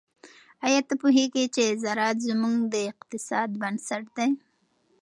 آیا ته پوهیږې چې زراعت زموږ د اقتصاد بنسټ دی؟